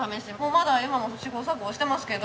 まだ今も試行錯誤してますけど。